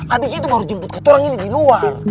abis itu baru jemput ketua orang ini di luar